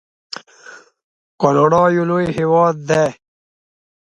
کاناډا یو لوی هیواد دی.